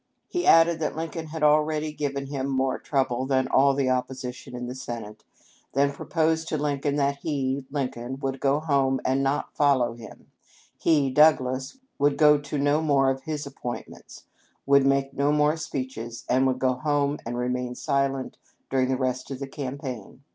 He added that Lincoln had already given him more trouble than all the opposition in the Senate, and then proposed to Lincoln that if he (Lincoln) would go home and not follow him, he (Douglas) would go to no more of his appointments, would make no more speeches, and would go home and remain silent during the rest of the campaign.